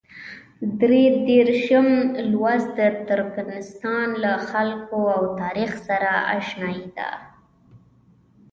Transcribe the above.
درې دېرشم لوست د ترکمنستان له خلکو او تاریخ سره اشنايي ده.